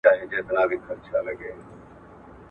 له زړې بوډۍ لکړي مي شرمېږم!